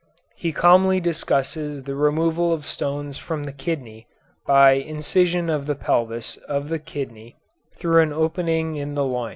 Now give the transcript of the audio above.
He calmly discusses the removal of stones from the kidney by incision of the pelvis of the kidney through an opening in the loin.